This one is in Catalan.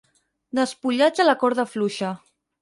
Despullats a la corda fluixa.